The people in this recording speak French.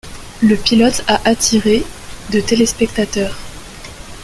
Le pilote a attiré de téléspectateurs.